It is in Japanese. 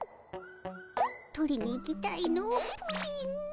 取りに行きたいのプリン。